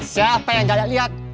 siapa yang jalan lihat